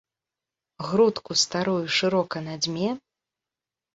Грудку старую шырока надзьме.